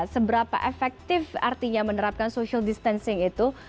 seberapa efektif artinya menerapkan social distancing itu